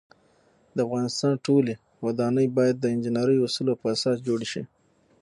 د افغانستان ټولی ودانۍ باید د انجنيري اوصولو په اساس جوړې شی